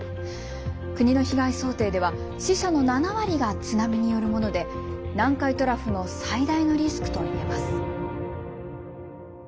国の被害想定では死者の７割が津波によるもので南海トラフの最大のリスクといえます。